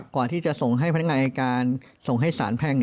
ก่อนที่จะส่งให้พนักงานอายการส่งให้สารแพ่ง